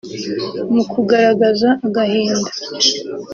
mu kugaragaza agahinda